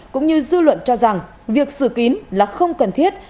cũng như dư luận cho rằng việc xử kín là không cần thiết